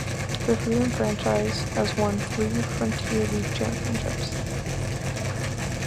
The Freedom franchise has won three Frontier League championships.